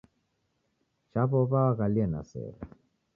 Chaw'ow'a waghalie na sere.